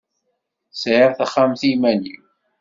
Sεiɣ taxxamt i iman-iw.